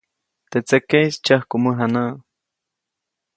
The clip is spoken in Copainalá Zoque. Teʼ tsekeʼis tsyäjku mäjanäʼ.